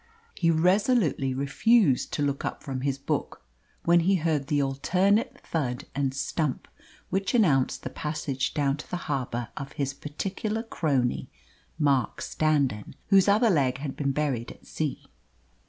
He resolutely refused to look up from his book when he heard the alternate thud and stump which announced the passage down to the harbour of his particular crony, Mark Standon, whose other leg had been buried at sea.